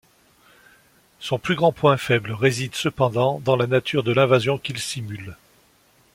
Son plus gros point faible réside cependant dans la nature de l’invasion qu’il simule.